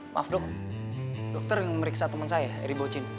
maaf dong dokter yang memeriksa teman saya eri bocin